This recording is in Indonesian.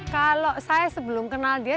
kalau saya sebelum kenal dia